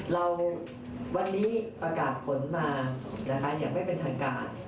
เราวันนี้ประกาศผลมานะคะอย่างไม่เป็นทางการ